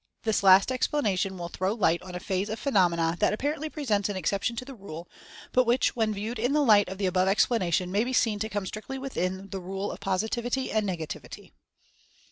This last Impressionability 63 explanation will throw light on a phase of the phe nomena that apparently presents an exception to the rule, but which when viewed in the light of the above explanation, may be seen to come strictly within the rule of Positivity and Negativity.